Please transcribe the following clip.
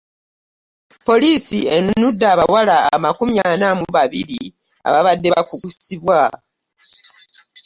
Poliisi enunudde abawala amakumi ana mu babiri ababadde bakukusibwa